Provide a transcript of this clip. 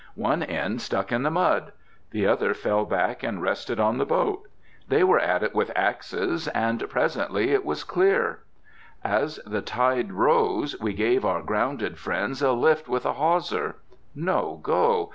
One end stuck in the mud. The other fell back and rested on the boat. They went at it with axes, and presently it was clear. As the tide rose, we gave our grounded friends a lift with a hawser. No go!